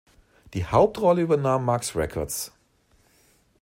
Die Hauptrolle übernahm Max Records.